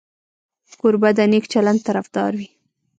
کوربه د نیک چلند طرفدار وي.